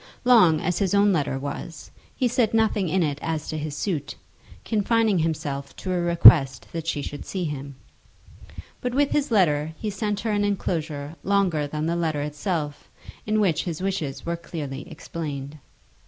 Long as his own letter was, he said nothing in it as to his suit, confining himself to a request that she should see him. But with his letter he sent her an enclosure longer than the letter itself, in which his wishes were clearly explained.